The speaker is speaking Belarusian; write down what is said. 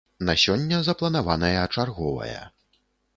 На сёння запланаваная чарговая.